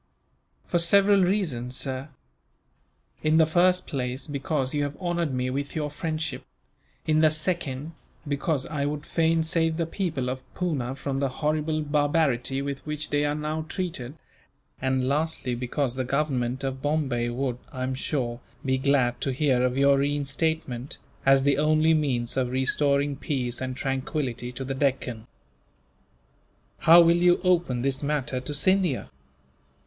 "For several reasons, sir. In the first place, because you have honoured me with your friendship; in the second, because I would fain save the people of Poona from the horrible barbarity with which they are now treated; and lastly, because the Government of Bombay would, I am sure, be glad to hear of your reinstatement, as the only means of restoring peace and tranquillity to the Deccan." "How will you open this matter to Scindia?"